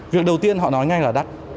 việc đầu tiên họ nói ngay là đắt